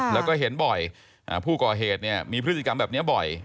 แล้วก็เห็นบ่อยผู้ก่อเหตุเนี่ยมีพฤติกรรมแบบนี้บ่อย